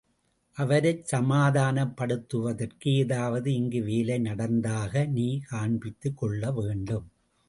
அவரைச் சமாதானப் படுத்துவதற்கு ஏதாவது இங்கு வேலை நடந்ததாக நீ காண்பித்துக் கொள்ள வேண்டும்.